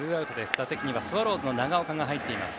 打席にはスワローズの長岡が入っています。